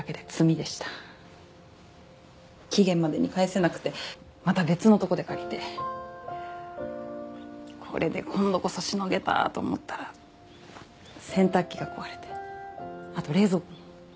期限までに返せなくてまた別のとこで借りてこれで今度こそしのげた！と思ったら洗濯機が壊れてあと冷蔵庫も。